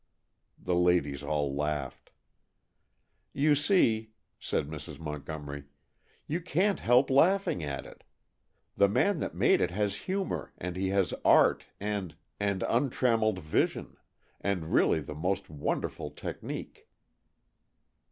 The ladies all laughed. "You see," said Mrs. Montgomery, "you can't help laughing at it. The man that made it has humor, and he has art and and untrammeled vision, and really the most wonderful technique."